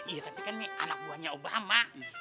iya tapi kan anak buahnya obama